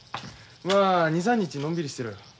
まあ２３日のんびりしてろよ。